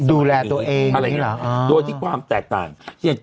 ยุคใหม่ดูแลตัวเองโดยที่ความแตกต่าง